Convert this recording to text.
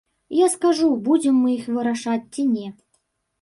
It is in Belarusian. Я скажу, будзем мы іх вырашаць ці не.